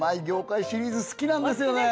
業界シリーズ好きなんですよ